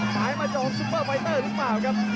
สายมาจองซุปเปอร์ไวเตอร์รึเปล่าครับ